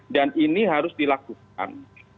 dan ini harus dilakukan